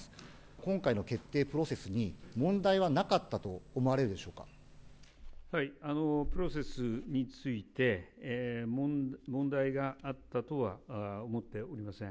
今回の決定プロセスに問題はなかプロセスについて、問題があったとは思っておりません。